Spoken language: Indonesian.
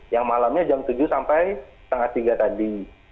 yang malamnya jam tujuh sampai setengah tiga tadi